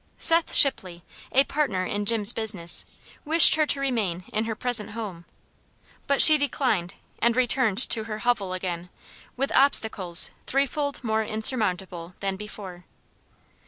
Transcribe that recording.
Seth Shipley, a partner in Jim's business, wished her to remain in her present home; but she declined, and returned to her hovel again, with obstacles threefold more insurmountable than before.